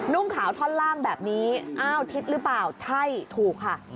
่งขาวท่อนล่างแบบนี้อ้าวทิศหรือเปล่าใช่ถูกค่ะ